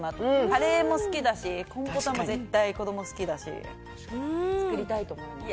カレーも好きだし、コンポタも絶対子ども好きだし、作りたいと思います。